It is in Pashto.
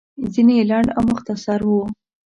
ځينې يې لنډ او مختصر وو.